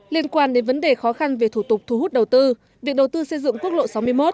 liên quan đến vấn đề khó khăn về thủ tục thu hút đầu tư việc đầu tư xây dựng quốc lộ sáu mươi một